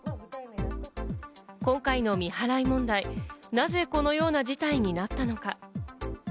今回の未払い問題、なぜこのような事態になったのか。